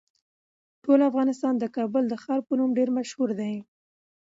ټول افغانستان د کابل د ښار په نوم ډیر مشهور دی.